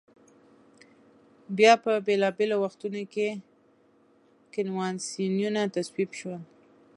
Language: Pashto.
بیا په بېلا بېلو وختونو کې کنوانسیونونه تصویب شول.